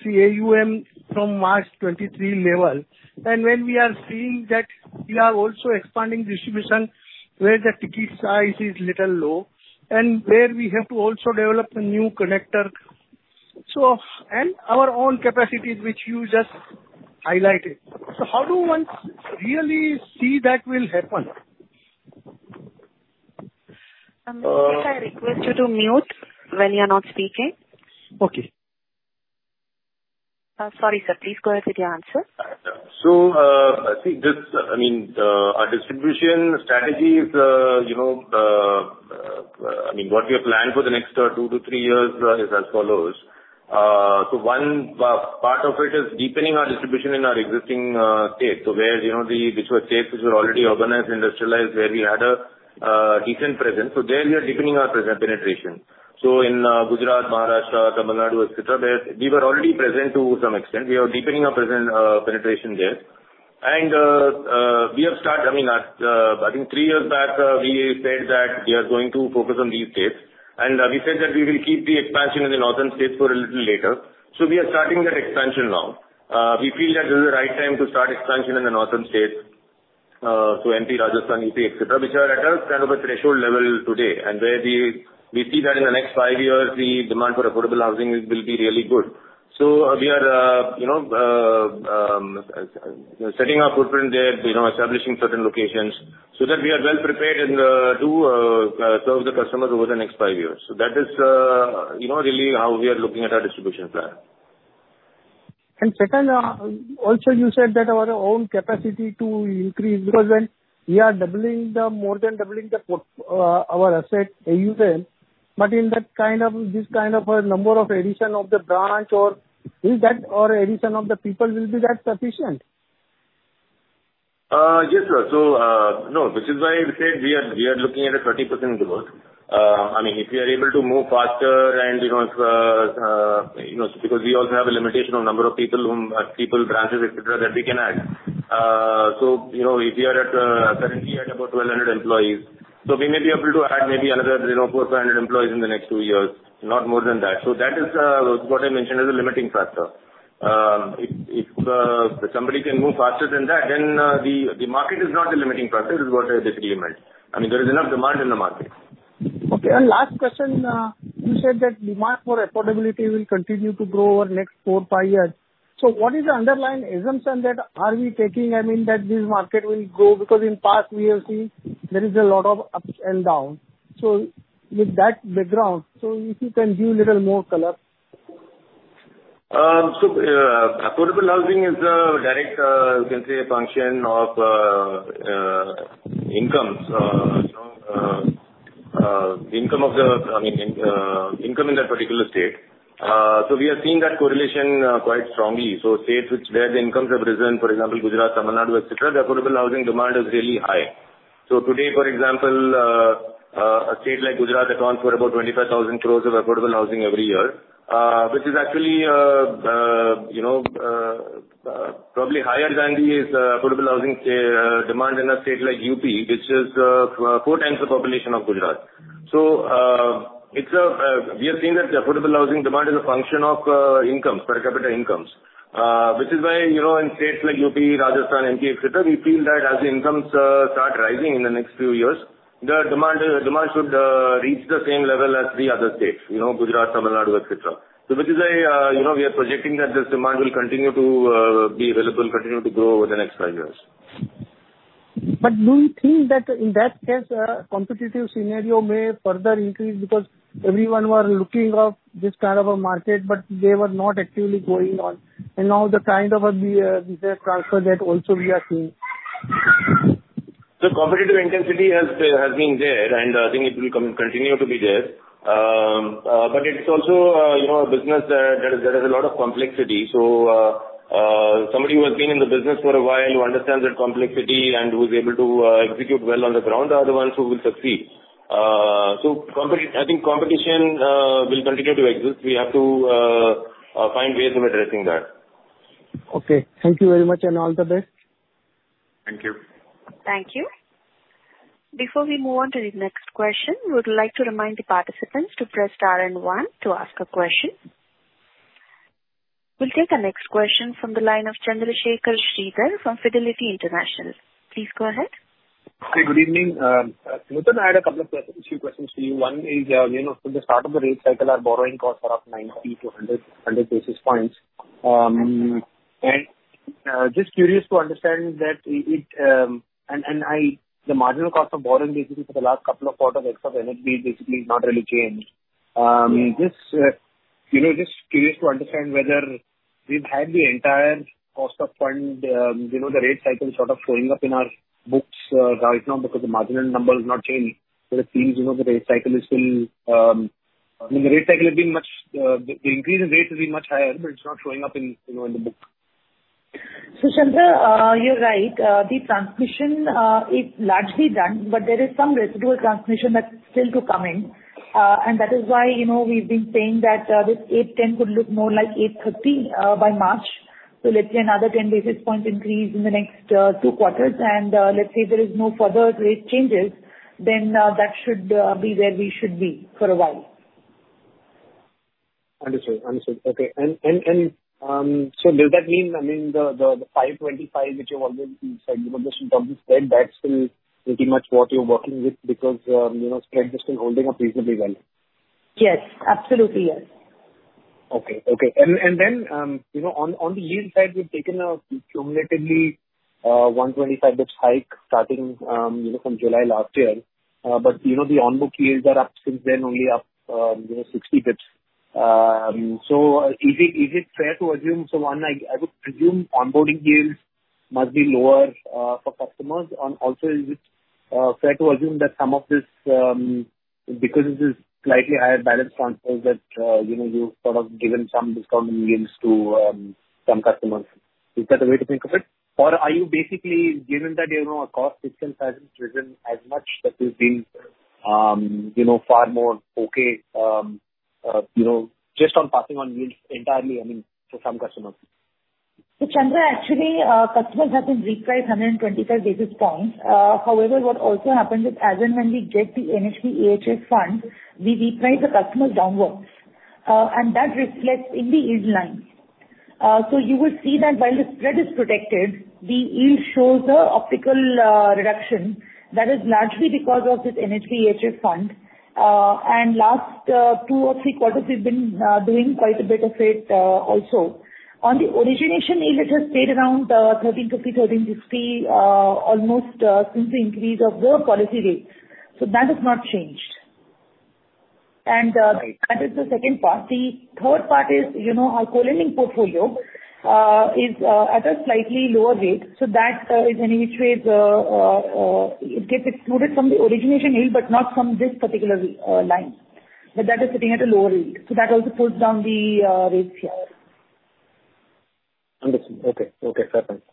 see AUM from March 2023 level. And when we are seeing that you are also expanding distribution where the ticket size is little low and where we have to also develop a new connector, so... And our own capacities, which you just highlighted. So how do one really see that will happen? May I request you to mute when you are not speaking? Okay. Sorry, sir, please go ahead with your answer. I think this, I mean, our distribution strategy is, you know, what we have planned for the next two to three years is as follows. One part of it is deepening our distribution in our existing states, where, you know, which were states which were already urbanized, industrialized, where we had a decent presence. There we are deepening our present penetration. In Gujarat, Maharashtra, Tamil Nadu, et cetera, where we were already present to some extent, we are deepening our present penetration there. I mean, I think three years back, we said that we are going to focus on these states, and we said that we will keep the expansion in the northern states for a little later. So we are starting that expansion now. We feel that this is the right time to start expansion in the northern states, so MP, Rajasthan, UP, et cetera, which are at a kind of a threshold level today. And where we see that in the next five years, the demand for affordable housing will be really good. So we are, you know, setting our footprint there, you know, establishing certain locations so that we are well prepared and to serve the customers over the next five years. So that is, you know, really how we are looking at our distribution plan. And second, also, you said that our own capacity to increase because when we are doubling the, more than doubling the portfolio, our asset AUM, but in that kind of, this kind of a number of addition of the branch or is that or addition of the people will be that sufficient? Yes, sir. No, which is why we said we are looking at a 30% growth. I mean, if we are able to move faster and, you know, because we also have a limitation on number of people whom, you know, people, branches, et cetera, that we can add. You know, if we are currently at about 1,200 employees, we may be able to add maybe another 400 employees in the next two years, not more than that. That is what I mentioned as a limiting factor. If somebody can move faster than that, then the market is not the limiting factor is what I basically meant. I mean, there is enough demand in the market. Okay. And last question, you said that demand for affordability will continue to grow over the next four to five years. So what is the underlying assumption that are we taking, I mean, that this market will grow? Because in past we have seen there is a lot of ups and downs. So with that background, so if you can give little more color. Affordable housing is a direct, you can say, a function of incomes. You know, income of the, I mean, income in that particular state. So we are seeing that correlation quite strongly. So states where the incomes have risen, for example, Gujarat, Tamil Nadu, et cetera, the affordable housing demand is really high. So today, for example, a state like Gujarat accounts for about 25,000 crore of affordable housing every year, which is actually, you know, probably higher than the affordable housing demand in a state like UP, which is four times the population of Gujarat. So, it's a, we have seen that the affordable housing demand is a function of incomes, per capita incomes. Which is why, you know, in states like UP, Rajasthan, MP, et cetera, we feel that as the incomes start rising in the next few years, the demand should reach the same level as the other states, you know, Gujarat, Tamil Nadu, et cetera. So which is why, you know, we are projecting that this demand will continue to be relevant, continue to grow over the next five years. But do you think that in that case, competitive scenario may further increase? Because everyone were looking of this kind of a market, but they were not actively going on. And now the kind of a transfer that also we are seeing. So competitive intensity has been there, and I think it will continue to be there. But it's also, you know, a business that has a lot of complexity. So, somebody who has been in the business for a while, who understands that complexity and who is able to execute well on the ground, are the ones who will succeed. So competition, I think competition will continue to exist. We have to find ways of addressing that. Okay. Thank you very much, and all the best. Thank you. Thank you. Before we move on to the next question, we would like to remind the participants to press star and one to ask a question. We'll take the next question from the line of Chandrasekhar Sridhar from Fidelity International. Please go ahead. Hey, good evening. Nidhesh, I had a couple of few questions to you. One is, you know, from the start of the rate cycle, our borrowing costs are up 90-100 basis points. And, just curious to understand that it... And, the marginal cost of borrowing basically for the last couple of quarters of NBFC basically not really changed. Just, you know, just curious to understand whether we've had the entire cost of fund, you know, the rate cycle sort of showing up in our books, right now because the marginal number has not changed. So it seems, you know, the rate cycle is still, I mean, the rate cycle has been much, the increase in rates has been much higher, but it's not showing up in, you know, in the books. So, Chandra, you're right. The transmission is largely done, but there is some residual transmission that's still to come in. That is why, you know, we've been saying that, this 8.10 could look more like 8.30, by March. So let's say another 10 basis points increase in the next, two quarters. Let's say there is no further rate changes, then, that should be where we should be for a while. Understood. Understood. Okay. And so does that mean, I mean, the 525, which you've already said, you know, just in terms of spread, that's still pretty much what you're working with because, you know, spread has been holding up reasonably well? Yes. Absolutely, yes. Okay. Okay. And, and then, you know, on, on the yield side, we've taken a cumulatively, 125 basis points hike starting, you know, from July last year. But, you know, the on-book yields are up since then, only up, you know, 60 basis points. So is it, is it fair to assume, so one, I, I would assume onboarding deals must be lower, for customers. Also, is it, fair to assume that some of this, because it is slightly higher balance transfers, that, you know, you've sort of given some discount in yields to, some customers? Is that a way to think of it? Or are you basically given that, you know, our cost discipline hasn't driven as much, that you've been, you know, far more okay, you know, just on passing on yields entirely, I mean, for some customers? So, Chandra, actually, customers have been repriced 125 basis points. However, what also happened is, as and when we get the NHB AHF funds, we reprice the customers downwards, and that reflects in the yield line. So you will see that while the spread is protected, the yield shows an optical reduction that is largely because of this NHB AHF fund. And last two or three quarters, we've been doing quite a bit of it, also. On the origination yield, it has stayed around 13.50%-13.60%, almost, since the increase of the policy rates. So that has not changed. And- Right. - that is the second part. The third part is, you know, our co-lending portfolio is at a slightly lower rate, so that is any trades, it gets excluded from the origination yield, but not from this particular line. But that is sitting at a lower rate, so that also pulls down the rates here. Understood. Okay. Okay, perfect.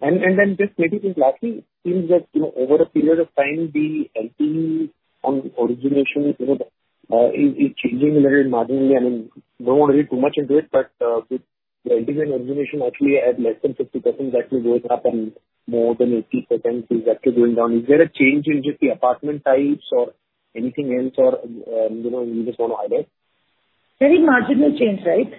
And, and then just maybe since lastly, it seems that, you know, over a period of time, the LTV on origination, you know, is, is changing a little marginally. I mean, don't want to read too much into it, but, with the LTV and origination actually at less than 50%, that will going up and more than 80% is actually going down. Is there a change in just the apartment types or anything else or, you know, you just want to add it? Very marginal change, right?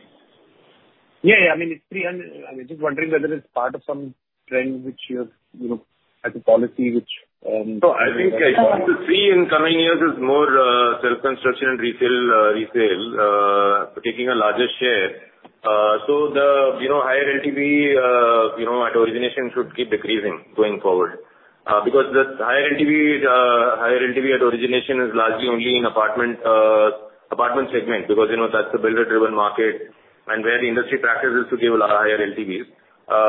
Yeah, yeah. I mean, it's pretty... I'm just wondering whether it's part of some trend which you have, you know, as a policy which, No, I think what you'll see in coming years is more self-construction and resale taking a larger share. So the, you know, higher LTV, you know, at origination should keep decreasing going forward. Because the higher LTV at origination is largely only in apartment segment, because, you know, that's a builder-driven market and where the industry practice is to give a higher LTVs.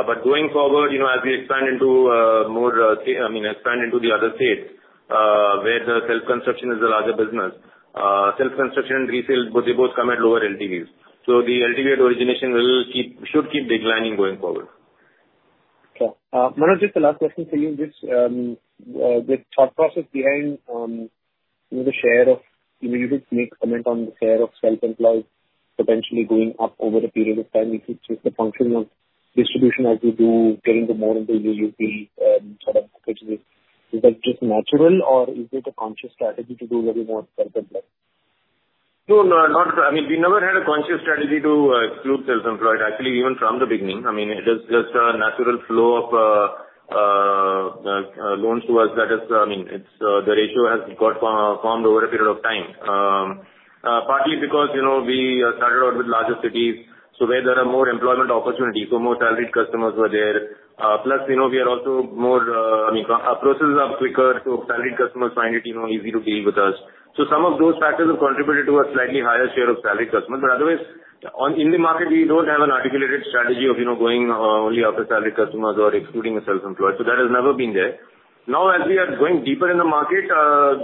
But going forward, you know, as we expand into more, I mean, expand into the other states, where the self-construction is a larger business, self-construction and resale, both, they both come at lower LTVs. So the LTV at origination will keep, should keep declining going forward. Sure. Manoj, just a last question for you. Just, the thought process behind, you know, the share of, you know, you just make a comment on the share of self-employed potentially going up over a period of time. If it's just a function of distribution as you do get into more and more UP, sort of, which is, is that just natural or is it a conscious strategy to do very more self-employed? No, no, not. I mean, we never had a conscious strategy to include self-employed. Actually, even from the beginning, I mean, it is just a natural flow of loans to us. That is, I mean, it's the ratio has got formed over a period of time. Partly because, you know, we started out with larger cities, so where there are more employment opportunities, so more salaried customers were there. Plus, you know, we are also more, I mean, our processes are quicker, so salaried customers find it, you know, easy to deal with us. So some of those factors have contributed to a slightly higher share of salaried customers. But otherwise, on in the market, we don't have an articulated strategy of, you know, going only after salaried customers or excluding a self-employed. So that has never been there. Now, as we are going deeper in the market,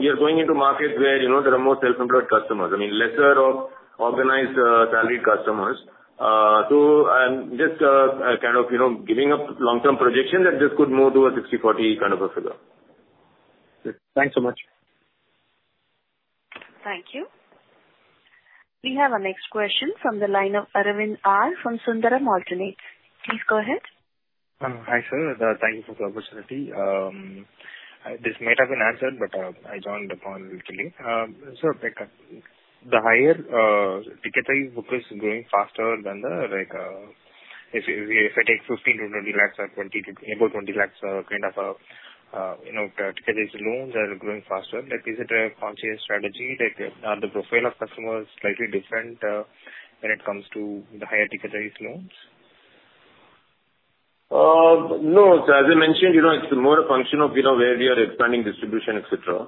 we are going into markets where, you know, there are more self-employed customers, I mean, lesser of organized, salaried customers. So I'm just kind of, you know, giving a long-term projection that this could move to a 60/40 kind of a figure. Good. Thanks so much. Thank you. We have our next question from the line of Aravind R from Sundaram Alternates. Please go ahead. Hi, sir, thank you for the opportunity. This might have been answered, but I joined upon lately. Like, the higher ticket-wise book is growing faster than the, like, if I take 15 lakhs-20 lakhs or above 20 lakhs, kind of, you know, ticket-size loans are growing faster. Like, is it a conscious strategy, like, the profile of customers slightly different when it comes to the higher ticket-size loans? No. So as I mentioned, you know, it's more a function of, you know, where we are expanding distribution, et cetera.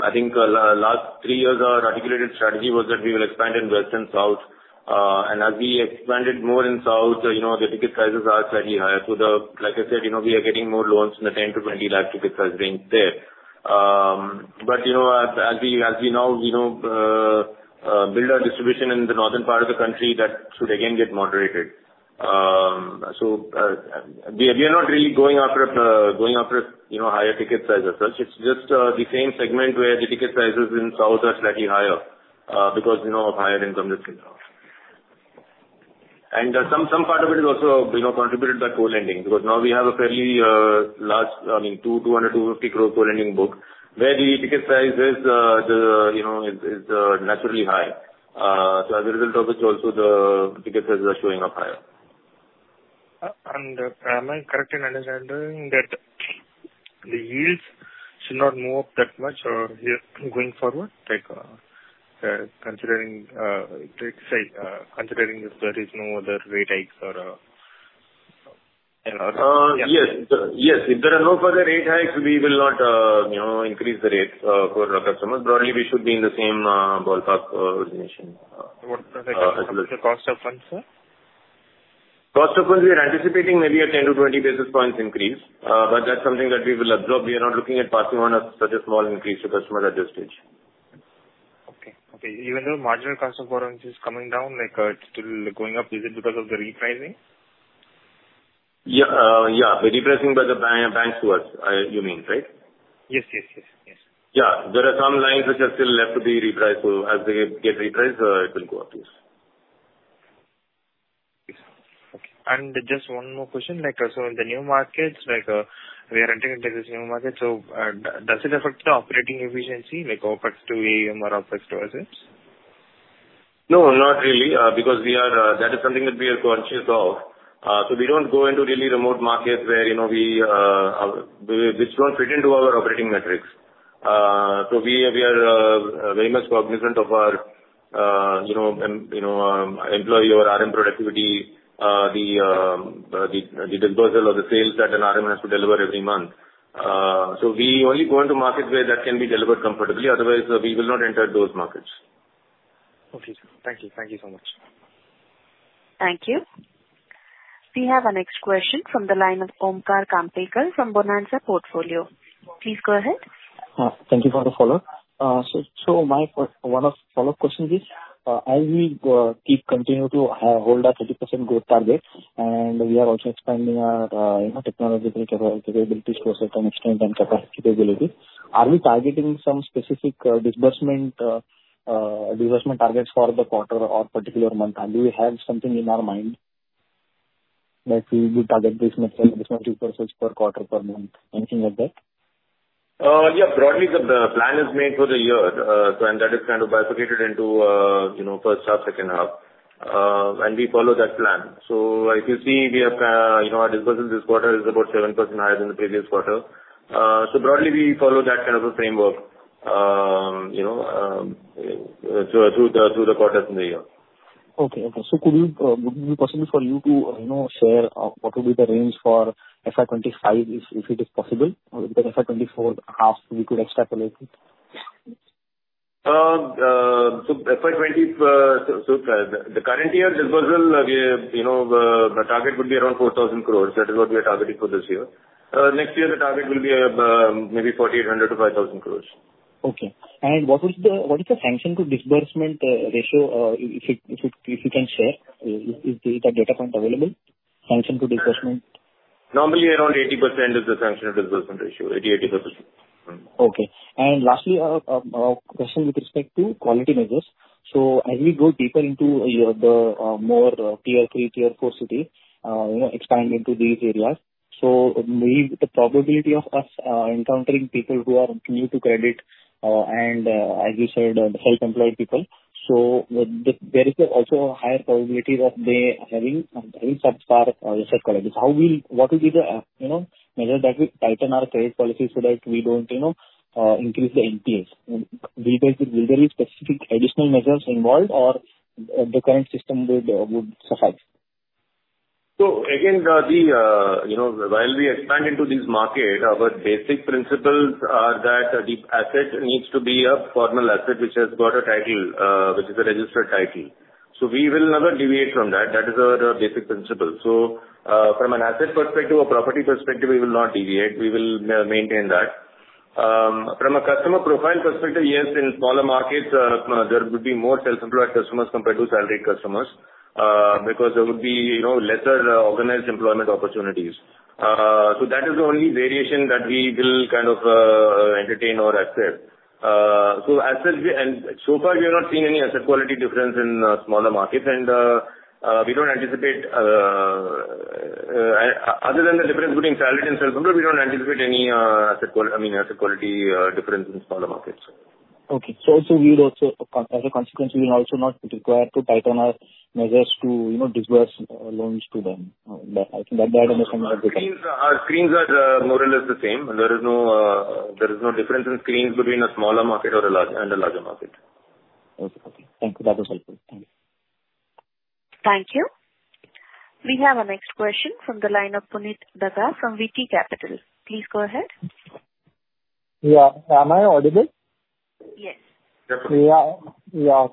I think, last three years, our articulated strategy was that we will expand in West and South. And as we expanded more in south, you know, the ticket sizes are slightly higher. Like I said, you know, we are getting more loans in the 10 lakhs-20 lakhs rupees ticket size range there. But, you know, as we now build our distribution in the northern part of the country, that should again get moderated. So, we are not really going after higher ticket size as such. It's just the same segment where the ticket sizes in South are slightly higher because, you know, of higher income distribution. And some part of it is also, you know, contributed by co-lending, because now we have a fairly large, I mean, 200 crore-250 crore co-lending book, where the ticket size is, you know, naturally high. So as a result of which, also the ticket sizes are showing up higher. And am I correctly understanding that the yields should not move that much here going forward? Like, let's say, considering if there is no other rate hikes or- Yes, yes. If there are no further rate hikes, we will not, you know, increase the rate for our customers. Broadly, we should be in the same ballpark estimation. What is the cost of funds, sir? Cost of funds, we are anticipating maybe a 10-20 basis points increase, but that's something that we will absorb. We are not looking at passing on a such a small increase to customers at this stage. Okay, okay. Even though marginal cost of funds is coming down, like, it's still going up. Is it because of the repricing? Yeah, yeah, the repricing by the banks to us, you mean, right? Yes, yes, yes, yes. Yeah. There are some lines which are still left to be repriced. So as they get repriced, it will go up, yes. Yes. Okay. And just one more question, like, so in the new markets, like, we are entering into this new market, so, does it affect the operating efficiency, like OpEx to AUM, OpEx to assets? No, not really, because we are. That is something that we are conscious of. So we don't go into really remote markets where, you know, which don't fit into our operating metrics. So we are very much cognizant of our, you know, employee or RM productivity, the disbursal of the sales that an RM has to deliver every month. So we only go into markets where that can be delivered comfortably; otherwise, we will not enter those markets. Okay, sir. Thank you. Thank you so much. Thank you. We have our next question from the line of Omkar Kamtekar from Bonanza Portfolio. Please go ahead. Thank you for the follow-up. So my one follow-up question is, as we keep continuing to hold our 30% growth target, and we are also expanding our, you know, technological capabilities so we can expand and capacity ability. Are we targeting some specific disbursement targets for the quarter or particular month? And do we have something in our mind that we would target this much disbursement per such, per quarter, per month? Anything like that? Yeah, broadly, the plan is made for the year, so and that is kind of bifurcated into, you know, first half, second half, and we follow that plan. So like you see, we have, you know, our disbursement this quarter is about 7% higher than the previous quarter. So broadly, we follow that kind of a framework, you know, through the quarters in the year. Okay, okay. So could you, would it be possible for you to, you know, share, what would be the range for FY 2025, if, if it is possible? Or the FY 2024 half, we could extrapolate it. So FY 2020, so, the current year disbursal, we, you know, the target would be around 4,000 crore. That is what we are targeting for this year. Next year, the target will be, maybe 4,800 crore-5,000 crore. Okay. What is the sanction to disbursement ratio, if you can share? Is that data point available, sanction to disbursement? Normally, around 80% is the sanction to disbursement ratio, 80%-85%. Okay. Lastly, a question with respect to quality measures. As we go deeper into your, the, more tier three, tier four city, you know, expand into these areas, we, the probability of us encountering people who are new to credit, and, as you said, the self-employed people, so there is also a higher probability of they having very subpar self-credit. How will... What will be the, you know, measure that will tighten our credit policy so that we don't, you know, increase the NPAs? Will there be specific additional measures involved or the current system would suffice? So again, you know, while we expand into this market, our basic principles are that the asset needs to be a formal asset, which has got a title, which is a registered title. So we will never deviate from that. That is our basic principle. So, from an asset perspective or property perspective, we will not deviate. We will, maintain that. From a customer profile perspective, yes, in smaller markets, there would be more self-employed customers compared to salaried customers, because there would be, you know, lesser, organized employment opportunities. So that is the only variation that we will kind of, entertain or accept. So as such, we, and so far, we have not seen any asset quality difference in, smaller markets. We don't anticipate, other than the difference between salaried and self-employed, we don't anticipate any asset quality, I mean, asset quality, difference in smaller markets. Okay. So, as a consequence, we will also not be required to tighten our measures to, you know, disburse loans to them. I think that that understanding is- Our screens are more or less the same. There is no difference in screens between a smaller market or a large and a larger market. Okay, okay. Thank you. That was helpful. Thank you. Thank you. We have our next question from the line of Punit Daga from VT Capital. Please go ahead. Yeah. Am I audible? Yes. Yes. Yeah, yeah.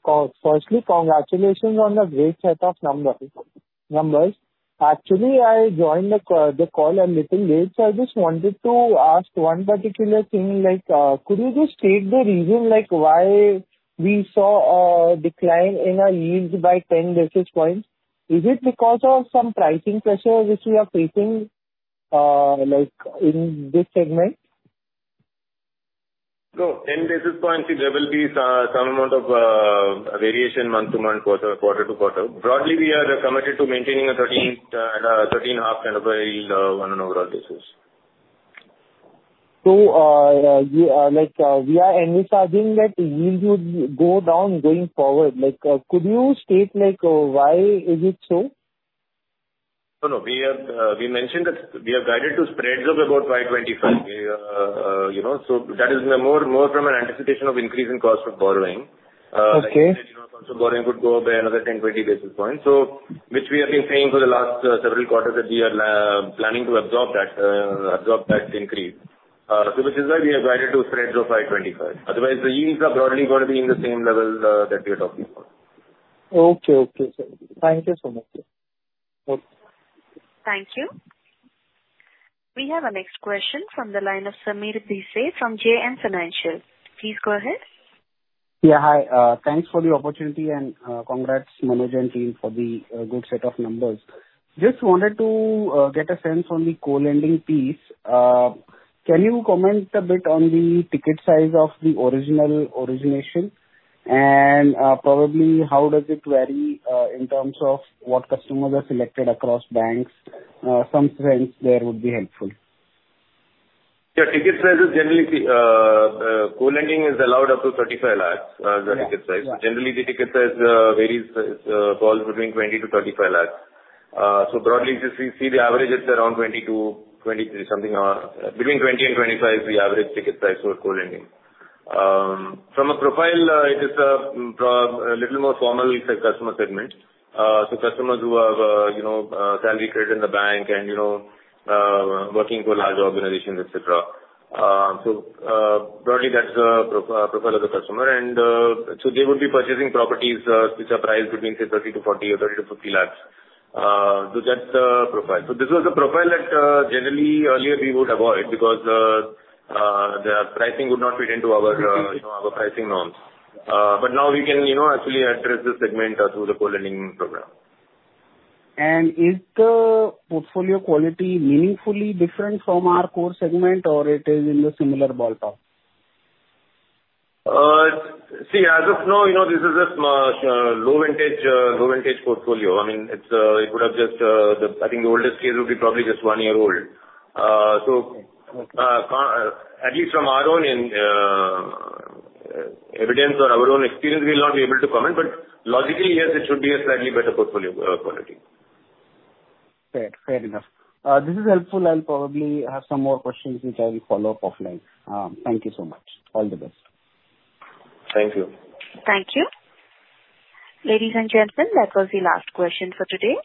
Firstly, congratulations on the great set of numbers. Actually, I joined the call a little late, so I just wanted to ask one particular thing, like, could you just state the reason, like, why we saw a decline in our yields by 10 basis points? Is it because of some pricing pressure which we are facing, like, in this segment? So 10 basis points, there will be some amount of variation month to month, quarter to quarter. Broadly, we are committed to maintaining a13.5% kind of a yield on an overall basis. So, we are like, we are envisaging that yields would go down going forward. Like, could you state like, why is it so? No, no, we have, we mentioned that we are guided to spreads of about by 525. We, you know, so that is more, more from an anticipation of increase in cost of borrowing. Okay, borrowing could go up by another 10-20 basis points. So which we have been saying for the last, several quarters, that we are planning to absorb that, absorb that increase. So which is why we have guided to a spread of 525. Otherwise, the yields are broadly going to be in the same level, that we are talking about. Okay. Okay, sir. Thank you so much. Okay. Thank you. We have our next question from the line of Sameer Bhise from JM Financial. Please go ahead. Yeah, hi. Thanks for the opportunity and, congrats, Manoj and team, for the good set of numbers. Just wanted to get a sense on the co-lending piece. Can you comment a bit on the ticket size of the original origination? And, probably how does it vary, in terms of what customers are selected across banks? Some trends there would be helpful. Yeah, ticket size is generally, co-lending is allowed up to 35 lakhs, the ticket size. Yeah. Generally, the ticket size varies, falls between 20 lakhs to 35 lakhs. So broadly, just we see the average is around 20-23, something around... Between 20 and 25 is the average ticket size for co-lending. From a profile, it is a little more formal customer segment. So customers who have, you know, salary credit in the bank and, you know, working for large organizations, et cetera. So, broadly, that's the profile of the customer. And, so they would be purchasing properties, which are priced between, say, 30 lakhs- 40 lakhs or 30 lakhs-50 lakhs. So that's the profile. So this was a profile that, generally, earlier we would avoid because, the pricing would not fit into our, you know, our pricing norms. But now we can, you know, actually address this segment through the co-lending program. Is the portfolio quality meaningfully different from our core segment or it is in the similar ballpark? See, as of now, you know, this is a low vintage, low vintage portfolio. I mean, it's, it would have just, the... I think the oldest case will be probably just one year old. I mean, at least from our own evidence or our own experience, we'll not be able to comment, but logically, yes, it should be a slightly better portfolio, quality. Fair. Fair enough. This is helpful. I'll probably have some more questions, which I will follow up offline. Thank you so much. All the best. Thank you. Thank you. Ladies and gentlemen, that was the last question for today.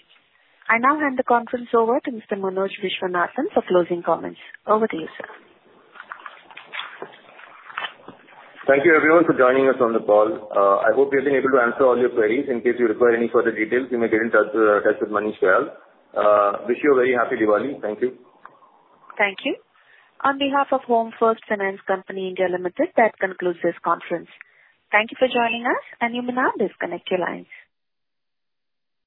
I now hand the conference over to Mr. Manoj Viswanathan for closing comments. Over to you, sir. Thank you, everyone, for joining us on the call. I hope we have been able to answer all your queries. In case you require any further details, you may get in touch with Manish Kayal. Wish you a very Happy Diwali. Thank you. Thank you. On behalf of Home First Finance Company India Limited, that concludes this conference. Thank you for joining us, and you may now disconnect your lines.